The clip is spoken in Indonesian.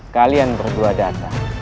kalian berdua datang